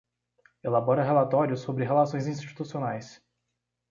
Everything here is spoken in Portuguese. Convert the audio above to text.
Elabora relatórios sobre relações institucionais.